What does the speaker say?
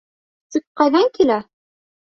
Тик ҡайҙан килә?